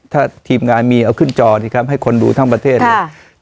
ถ้าทีมงานมีเอาขึ้นจอสิครับให้คนดูทั้งประเทศเนี่ย